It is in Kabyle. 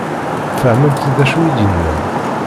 Fehment d acu i d-yenna?